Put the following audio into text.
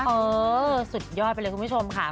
เออสุดยอดไปเลยคุณผู้ชมค่ะ